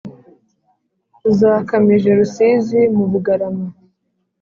zakamije rusizi, mu bugarama